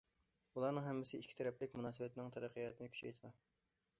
بۇلارنىڭ ھەممىسى ئىككى تەرەپلىك مۇناسىۋەتنىڭ تەرەققىياتىنى كۈچەيتىدۇ.